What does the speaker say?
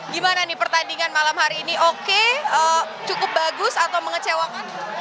gimana nih pertandingan malam hari ini oke cukup bagus atau mengecewakan